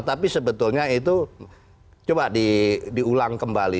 tapi sebetulnya itu coba diulang kembali